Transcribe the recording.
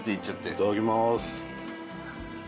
いただきます。